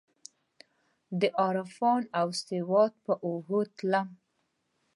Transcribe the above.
دعرفان اودسواد په اوږو تلمه